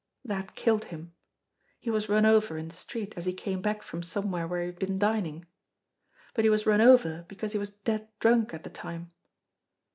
That killed him. He was run over in the street, as he came back from somewhere where he had been dining. But he was run over because he was dead drunk at the time.